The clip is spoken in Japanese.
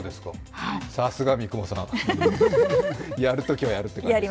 さすが三雲さん、やるときはやるって感じ。